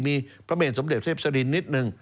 มีพระเมนสมเด็จเทพศรินนิดนึง